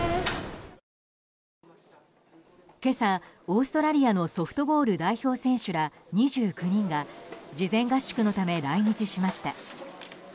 今朝、オーストラリアのソフトボール代表選手ら２９人が事前合宿のため来日しました。